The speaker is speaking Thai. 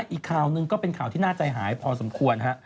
อีกข่าวหนึ่งก็เป็นข่าวที่น่าใจหายพอสมควรฮะ